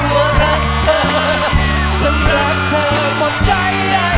ว่ารักเธอฉันรักเธอหมดใจได้